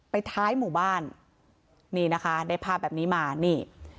ท้ายหมู่บ้านนี่นะคะได้ภาพแบบนี้มานี่